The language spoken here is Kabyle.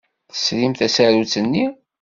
Tesrim tasarut-nni?